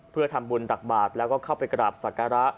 เพื่อทำบุญตักบาทแล้วก็เข้าไปกราบศักระ